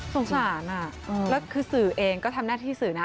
สงสารแล้วคือสื่อเองก็ทำหน้าที่สื่อนะ